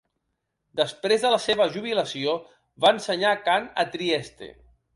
Després de la seva jubilació, va ensenyar cant a Trieste.